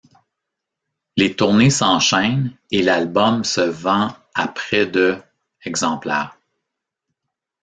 Les tournées s’enchaînent et l'album se vent à près de exemplaires.